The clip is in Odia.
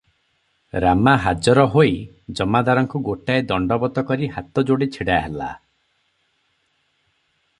ରାମା ହାଜର ହୋଇ ଜମାଦାରଙ୍କୁ ଗୋଟାଏ ଦଣ୍ଡବତ କରି ହାତ ଯୋଡି ଛିଡା ହେଲା ।